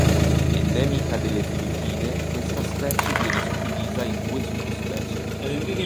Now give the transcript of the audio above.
Endemica delle Filippine, questa specie viene suddivisa in due sottospecie.